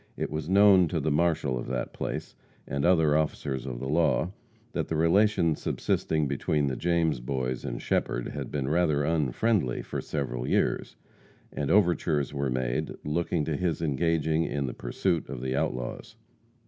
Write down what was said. It was known to the marshal of that place, and other officers of the law, that the relations subsisting between the James Boys and Shepherd had been rather unfriendly for several years, and overtures were made looking to his engaging in the pursuit of the outlaws.